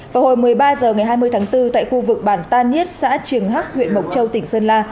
vào hồi một mươi ba h ngày hai mươi tháng bốn tại khu vực bản taết xã trường hắc huyện mộc châu tỉnh sơn la